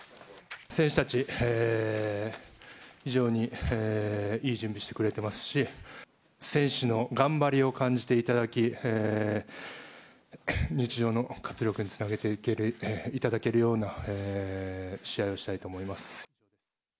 選手たち、非常にいい準備してくれてますし、選手の頑張りを感じていただき、日常の活力につなげていただけるような試合をしたいと思います。